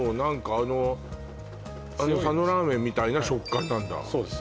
あの佐野ラーメンみたいな食感なんだそうです